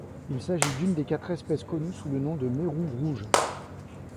Il s'agit d'une des quatre espèces connues sous le nom de Mérou rouge.